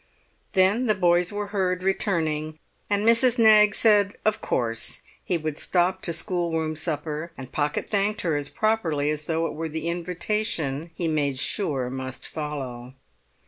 Then the boys were heard returning, and Mrs. Knaggs said of course he would stop to schoolroom supper, and Pocket thanked her as properly as though it were the invitation he made sure must follow.